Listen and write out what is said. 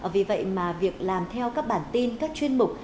vì vậy mà việc làm theo các bản tin các chuyên mục